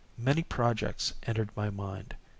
Many projects entered my mind.